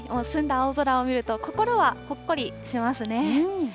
澄んだ青空を見ると、心はほっこりしますね。